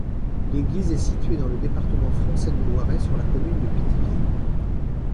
L'église est située dans le département français du Loiret, sur la commune de Pithiviers.